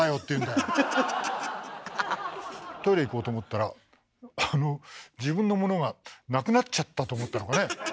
トイレ行こうと思ったら自分のものがなくなっちゃったと思ったのかね。